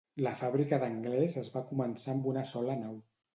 La fàbrica d'Anglès es va començar amb una sola nau.